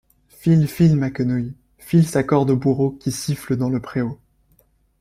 File, file, ma quenouille, File sa corde au bourreau Qui siffle dans le préau.